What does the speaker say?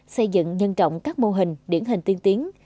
xây dựng nhân trọng các mô hình điển hình tiên tiến